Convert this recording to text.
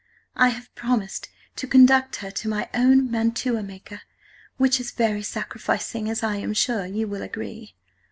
I have promised to connduct her to my own Mantua Maker, which is very sacrificing, as I am sure You will agree.